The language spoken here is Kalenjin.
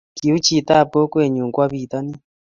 Kiuu chitab kokwenyu kowo bitonin